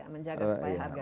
menjaga supaya harganya stabil